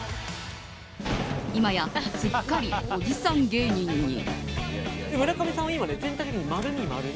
今やすっかりおじさん芸人に。